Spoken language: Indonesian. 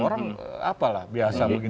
orang apalah biasa begitu